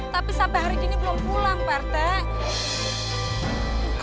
tapi sampai hari gini belum pulang pak rete